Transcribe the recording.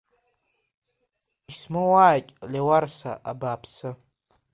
Исмоуааит, Леуарса, абааԥсы!